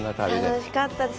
楽しかったです。